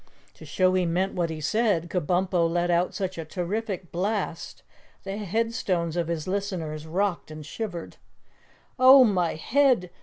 To show he meant what he said, Kabumpo let out such a terrific blast the headstones of his listeners rocked and shivered. "Oh, my head!